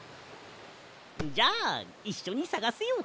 じゃあいっしょにさがすよ。